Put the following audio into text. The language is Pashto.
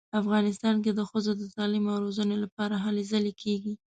افغانستان کې د ښځو د تعلیم او روزنې لپاره هلې ځلې کیږي